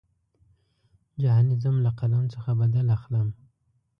جهاني ځم له قلم څخه بدل اخلم.